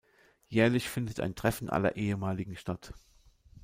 Jährlich findet ein Treffen aller Ehemaligen statt.